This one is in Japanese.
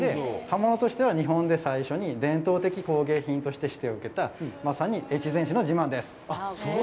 刃物としては、日本で最初に伝統的工芸品として、まさに越前市の自慢です。